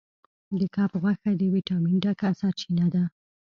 د کب غوښه د ویټامین ډکه سرچینه ده.